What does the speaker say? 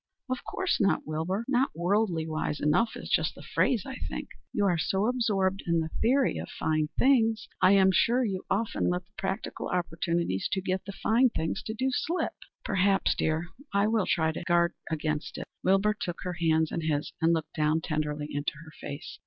"Of course not, Wilbur. Not worldly wise enough is just the phrase, I think. You are so absorbed in the theory of fine things that I am sure you often let the practical opportunities to get the fine things to do slip." "Perhaps, dear. I will try to guard against it." Wilbur took her hands in his and looked down tenderly into her face.